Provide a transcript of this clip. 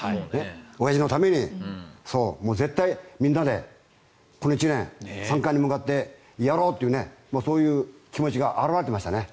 おやじのために絶対にみんなでこの１年、３冠に向かってやろうという、そういう気持ちが表れてましたね。